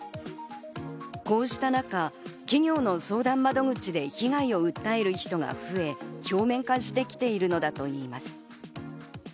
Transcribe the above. こうした中、企業の相談窓口で被害を訴える人が増え、表面化してきているのだといいます。